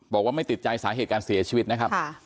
บอกว่าไม่ติดใจสาเหตุการเสียชีวิตนะครับ